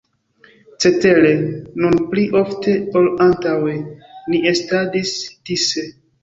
Cetere, nun pli ofte ol antaŭe ni estadis dise.